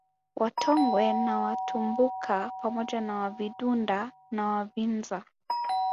Watongwe na Watumbuka pamoja Wavidunda na Wavinza